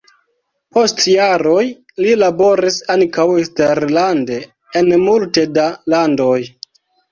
Post jaroj li laboris ankaŭ eksterlande en multe da landoj.